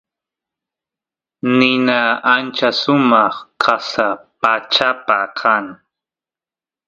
nina ancha sumaq qasa pachapa kan